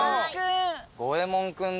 ゴエモン君だ。